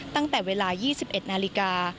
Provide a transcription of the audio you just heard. ตั้งแต่เวลา๒๑นาฬิกา